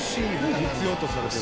必要とされてる。